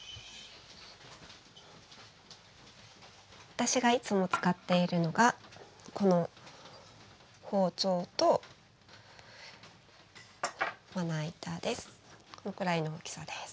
私がいつも使っているのがこの包丁とまな板です。